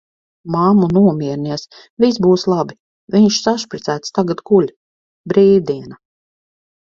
Mammu, nomierinies, viss būs labi, viņš sašpricēts tagad guļ. Brīvdiena.